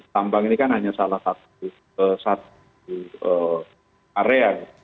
tambang ini kan hanya salah satu area